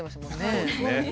そうですね。